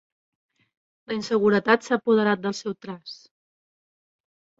La inseguretat s'ha apoderat del seu traç.